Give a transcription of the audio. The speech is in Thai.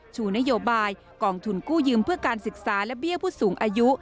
ชูนโยบายกองทุนกู้ยืมเพื่อการศึกษาและเบี้ยผู้สูงอายุ